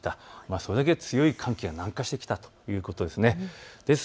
それだけ強い寒気が南下してきたということです。